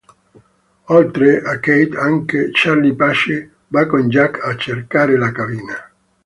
Oltre a Kate, anche Charlie Pace va con Jack a cercare la cabina.